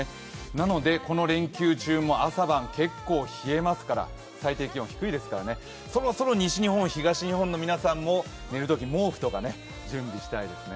なのでこの連休中も朝晩、結構冷えますから最低気温低いですからね、そろそろ西日本、東日本の皆さんも寝るとき毛布とかを準備したいですね。